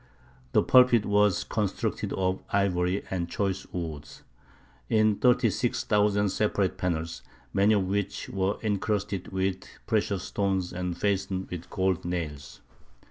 The pulpit was constructed of ivory and choice woods, in 36,000 separate panels, many of which were encrusted with precious stones and fastened with gold nails.